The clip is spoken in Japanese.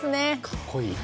かっこいい。